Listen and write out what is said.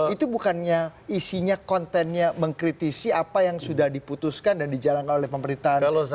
itu bukannya isinya kontennya mengkritisi apa yang sudah diputuskan dan dijalankan oleh pemerintahan jokowi jks ini pak hussein